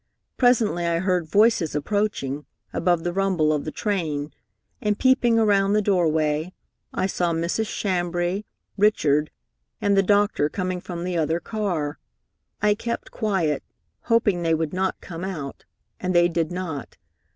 Presently I heard voices approaching, above the rumble of the train, and, peeping around the doorway, I saw Mrs. Chambray, Richard, and the doctor coming from the other car. I kept quiet, hoping they would not come out, and they did not.